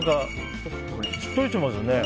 しっとりしてますね。